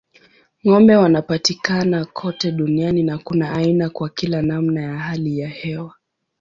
Ng'ombe wanapatikana kote duniani na kuna aina kwa kila namna ya hali ya hewa.